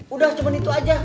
udah cuma itu aja